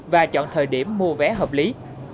và chọn thời điểm mua vé hợp lý